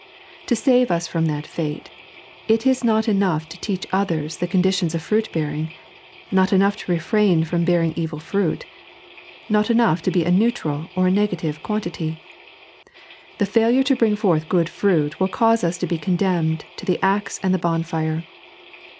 To save us from that fate, it is not enough to teach others the condi tions of fruit bearing, not enough to refrain from bearing evil fruit, not enough to be a neutral or negative quan tity — the failure to bring forth good fruit will caune us to be condemned to the axe and the bonfire.